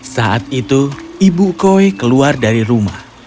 saat itu ibu koi keluar dari rumah